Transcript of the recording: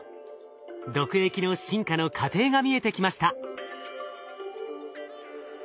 毒液の進化の過程が見えてきました。